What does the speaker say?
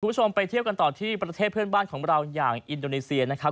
คุณผู้ชมไปเที่ยวกันต่อที่ประเทศเพื่อนบ้านของเราอย่างอินโดนีเซียนะครับ